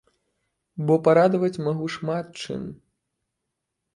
Бо парадаваць магу шмат чым.